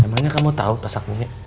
emangnya kamu tahu pasak minyak